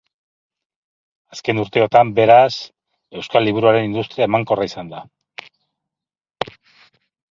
Azken urteotan, beraz, euskal liburuaren industria emankorra izan da.